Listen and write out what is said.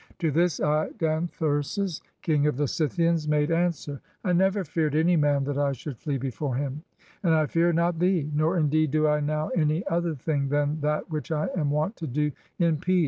To this Idanthyr sus, King of the Scythians, made answer: "I never feared any man that I should flee before him; and I fear not thee, nor indeed do I now any other thing than that which I am wont to do in peace.